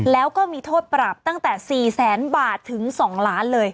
แล้วก็มีโทษปรับตั้งแต่๔แสนบาทถึง๒ล้านเลย